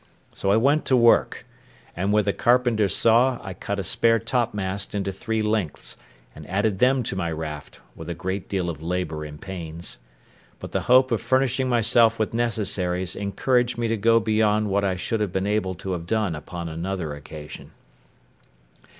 So I went to work, and with a carpenter's saw I cut a spare topmast into three lengths, and added them to my raft, with a great deal of labour and pains. But the hope of furnishing myself with necessaries encouraged me to go beyond what I should have been able to have done upon another occasion.